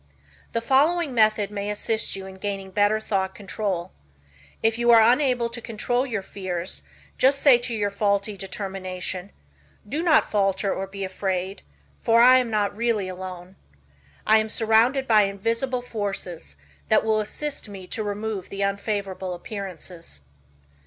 The following method may assist you in gaining better thought control. If you are unable to control your fears, just say to your faulty determination, "Do not falter or be afraid, for I am not really alone. I am surrounded by invisible forces that will assist me to remove the unfavorable appearances."